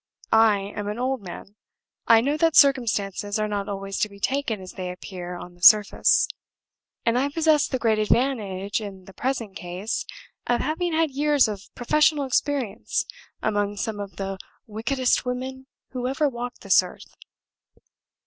I am an old man I know that circumstances are not always to be taken as they appear on the surface and I possess the great advantage, in the present case, of having had years of professional experience among some of the wickedest women who ever walked this earth."